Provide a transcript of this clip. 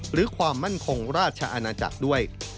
หรือความมั่นคงราชอาณาจักรด้วย